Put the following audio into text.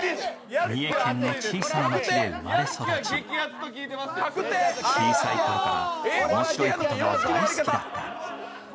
三重県の小さな町で生まれ育ち小さい頃から面白いことが大好きだった